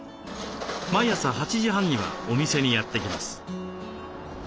毎朝８時半にはお店にやって来ます。